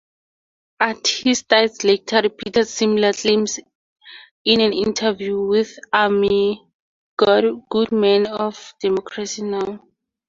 Aristide later repeated similar claims, in an interview with Amy Goodman of Democracy Now!